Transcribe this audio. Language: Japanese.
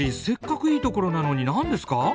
せっかくいいところなのに何ですか。